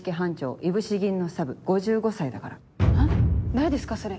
誰ですかそれ。